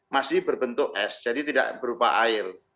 masih berbentuk es jadi tidak berupa air